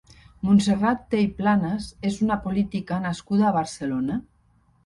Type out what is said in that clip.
Montserrat Tey Planas és una política nascuda a Barcelona.